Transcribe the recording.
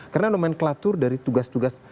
karena nomenklatur dari tugas tugas